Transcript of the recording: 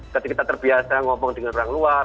ketika terbiasa ngomong dengan orang luar